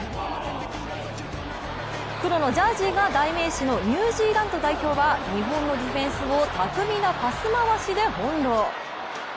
黒のジャージーが代名詞のニュージーランド代表は日本のディフェンスを巧みなパス回しで翻弄。